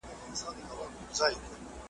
د ملا مسكين پر كور باندي ناورين سو .